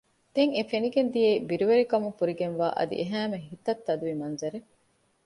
ދެން އެ ފެނިގެން ދިޔައީ ބިރުވެރިކަމުން ފުރިގެންވާ އަދި އެހައިމެ ހިތަށް ތަދުވި މަންޒަރެއް